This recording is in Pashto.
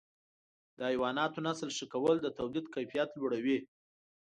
د حیواناتو نسل ښه کول د تولید کیفیت لوړوي.